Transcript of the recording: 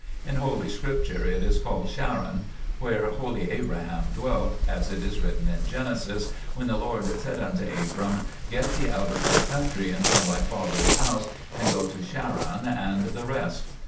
In holy Scripture it is called Charran, 1 where holy Abraham dwelt, as it is written in Genesis when the Lord said unto Abram : Get thee out of thy country, and from thy father's house, and go to Charran and the rest.